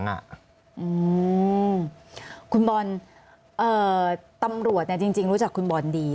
อืมคุณบอลตำรวจเนี่ยจริงรู้จักคุณบอลดี